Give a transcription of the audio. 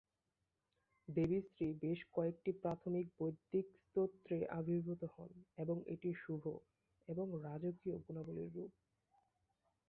দেবী শ্রী বেশ কয়েকটি প্রাথমিক বৈদিক স্তোত্রে আবির্ভূত হন এবং এটি শুভ এবং রাজকীয় গুণাবলীর রূপ।